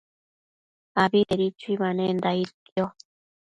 Abitedi chuibanenda aidquio